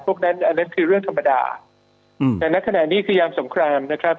พวกนั้นอันนั้นคือเรื่องธรรมดาอืมแต่ในขณะนี้คือยามสงครามนะครับ